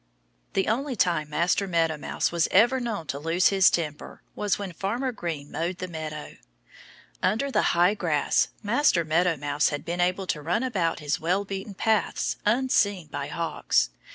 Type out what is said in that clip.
The only time Master Meadow Mouse was ever known to lose his temper was when Farmer Green mowed the meadow. Under the high grass Master Meadow Mouse had been able to run about his well beaten paths unseen by hawks.